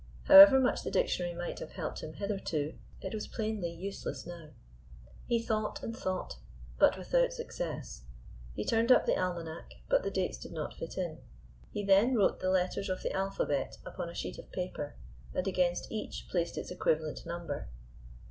However much the dictionary might have helped him hitherto, it was plainly useless now. He thought and thought, but without success. He turned up the almanac, but the dates did not fit in. He then wrote the letters of the alphabet upon a sheet of paper, and against each placed its equivalent number.